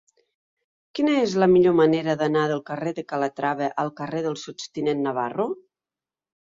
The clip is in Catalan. Quina és la millor manera d'anar del carrer de Calatrava al carrer del Sots tinent Navarro?